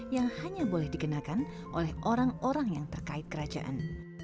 yang hanya boleh dikenakan oleh orang orang yang terkait kerajaan